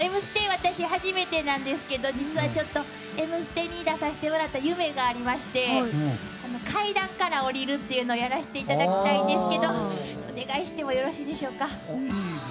私初めてなんですけど実はちょっと「Ｍステ」に出させてもらったら夢がありまして階段から下りるっていうのをやらせていただきたいんですけどお願いしてもよろしいでしょうか。